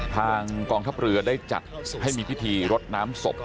ทางกองทัพเรือได้จัดให้มีพิธีรดน้ำศพ